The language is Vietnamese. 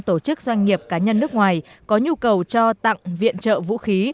tổ chức doanh nghiệp cá nhân nước ngoài có nhu cầu cho tặng viện trợ vũ khí